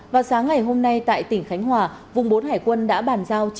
vào sáng ngày hôm nay tại tỉnh khánh hòa vùng bốn hải quân đã bàn giao